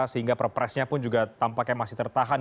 sehingga perpresnya pun juga tampaknya masih tertahan